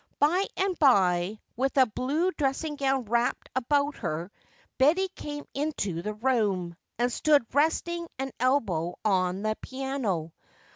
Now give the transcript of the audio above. By and by, with a blue dressing gown wrapped about her, Betty came into the room, and stood resting an elbow on the piano.